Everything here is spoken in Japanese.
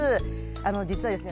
あの実はですね